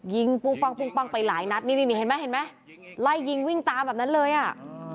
ยิงปุ้งปั้งปุ้งปั้งไปหลายนัดนี่นี่เห็นไหมเห็นไหมไล่ยิงวิ่งตามแบบนั้นเลยอ่ะ